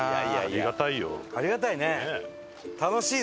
ありがたいね。